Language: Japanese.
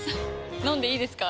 飲んでいいですか？